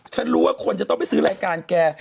ฉันรู้ว่าคนจะต้องไปซื้อรายการแก